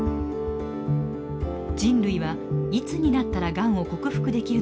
人類はいつになったらがんを克服できるのか。